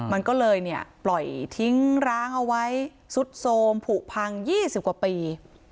มันก็เลยเนี่ยปล่อยทิ้งร้างเอาไว้ซุดโทรมผูกพัง๒๐กว่าปี